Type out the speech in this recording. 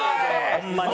ホンマに。